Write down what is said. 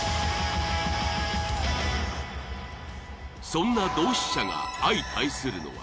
そんな同志社が相対するのは。